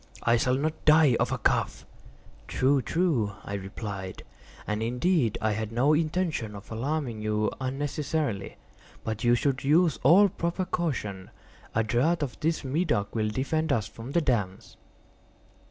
I shall not die of a cough." "True—true," I replied; "and, indeed, I had no intention of alarming you unnecessarily—but you should use all proper caution. A draught of this Medoc will defend us from the damps."